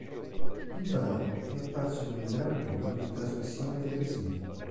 Il brano è apparso in un gran numero di trasmissioni televisive.